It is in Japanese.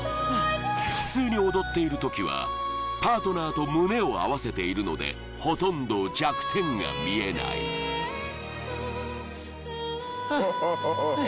普通に踊っている時はパートナーと胸を合わせているのでほとんど弱点が見えないハハハハハ